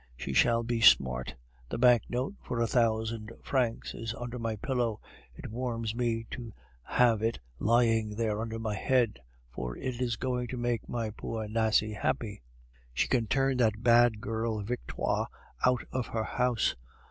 She shall be smart. The banknote for a thousand francs is under my pillow; it warms me to have it lying there under my head, for it is going to make my poor Nasie happy. She can turn that bad girl Victoire out of the house.